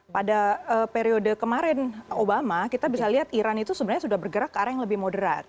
pada periode kemarin obama kita bisa lihat iran itu sebenarnya sudah bergerak ke arah yang lebih moderat